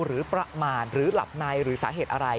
หรือประมาณหรือหลับในหรือสาเหตุอะไร